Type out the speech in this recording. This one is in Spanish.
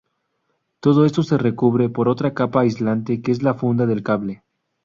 Todo esto se recubre por otra capa aislante que es la funda del cable.